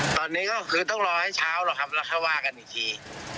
ตอนนี้ก็คือต้องรอให้เช้าหรอกครับแล้วค่อยว่ากันอีกที